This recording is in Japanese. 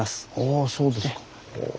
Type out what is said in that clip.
ああそうですか。